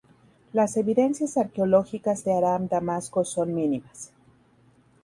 Las evidencias arqueológicas de Aram-Damasco son mínimas.